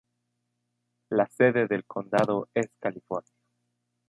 La sede del condado es California.